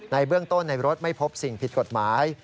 เบื้องต้นในรถไม่พบสิ่งผิดกฎหมาย